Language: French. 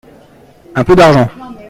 un peu d'argent.